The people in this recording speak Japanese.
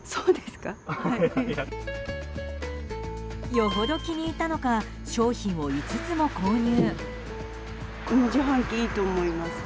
よほど気に入ったのか商品を５つも購入。